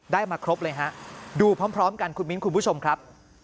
มาครบเลยฮะดูพร้อมกันคุณมิ้นคุณผู้ชมครับ